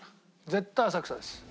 絶対浅草です。